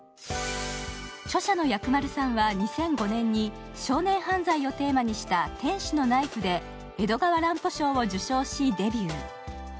著者の薬丸さんは２００５年に少年犯罪をテーマにした「天使のナイフ」で江戸川乱歩賞を受賞しデビュー。